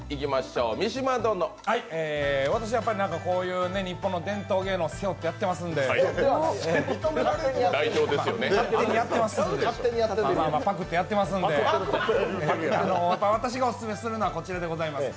私はこういう日本の伝統芸能背負ってやってますのでパクってやってますんで、私がオススメするのはこちらでございます。